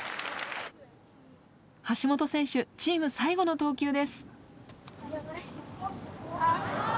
橋本選手チームさいごの投球です。